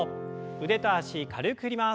腕と脚軽く振ります。